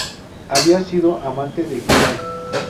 Había sido amante de Gerald.